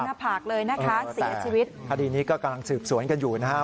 ผากเลยนะคะเสียชีวิตคดีนี้ก็กำลังสืบสวนกันอยู่นะฮะ